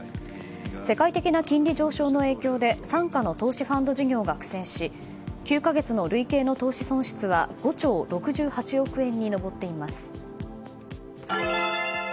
世界的な金利上昇の影響で傘下の投資ファンド事業が苦戦し９か月の類型の投資損失は５兆６８億円に上っています。